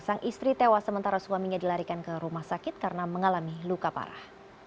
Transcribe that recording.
sang istri tewas sementara suaminya dilarikan ke rumah sakit karena mengalami luka parah